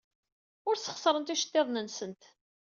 Ur sxeṣrent iceḍḍiḍen-nsent.